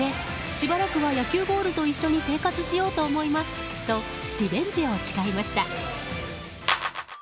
しばらくは野球ボールと一緒に生活しようと思いますとリベンジを誓いました。